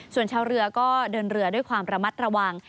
ส่วนชาวเรือก็เดินเรือด้วยความระมัดระวัง